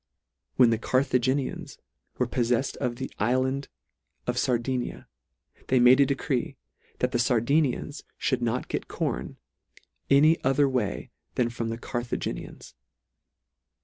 When the Carthaginians were poflefled of the ifland of Sardinia, they made a decree, that the Sardinians mould not get corn, any other way than from the Carthaginians.